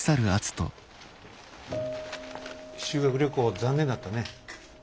修学旅行残念だったね。